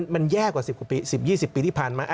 มันแย่กว่า๑๐๒๐ปีที่ผ่านมา